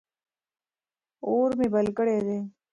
اور مې بل کړی دی.